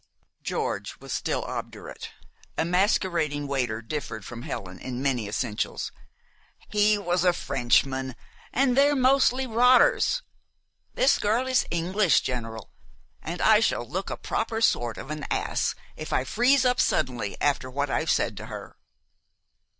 George was still obdurate. A masquerading waiter differed from Helen in many essentials. "He was a Frenchman, an' they're mostly rotters. This girl is English, General, an' I shall look a proper sort of an ass if I freeze up suddenly after what I've said to her."